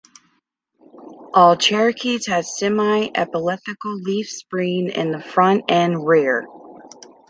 All Cherokees had semi-elliptical leaf springs in the front and rear.